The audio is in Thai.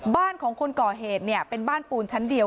บ้านของคนก่อเหตุเนี่ยเป็นบ้านปูนชั้นเดียว